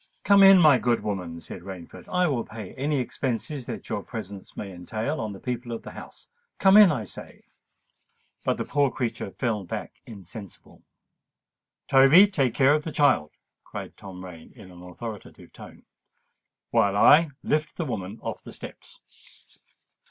"Come in, my good woman," said Rainford. "I will pay any expenses that your presence may entail on the people of the house:—come in, I say." But the poor creature fell back insensible. "Toby, take care of the child," cried Tom Rain in an authoritative tone; "while I lift the woman off the steps."